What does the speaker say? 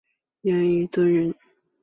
严虞敦人。